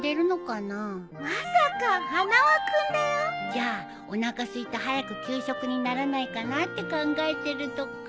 じゃあおなかすいて早く給食にならないかなって考えてるとか。